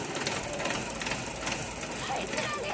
あいつらに！